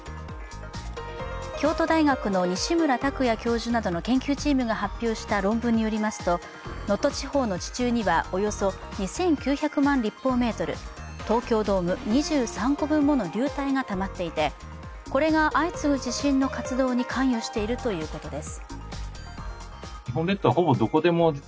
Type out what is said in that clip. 京都大学の西村卓也教授などの研究チームが発表した論文によりますと能登地方の地中にはおよそ２９００万立方メートル東京ドーム２３個分の流体がたまっていてこれが相次ぐ地震の活動に関与しているということです。